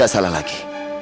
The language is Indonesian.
gak salah lagi